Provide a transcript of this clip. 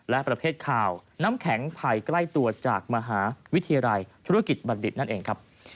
และประเภทข่าวน้ำแข็งภัยใกล้ตัวจากมหาวิทยาลัยธุรกิจบัณฑิตนั่นเองครับ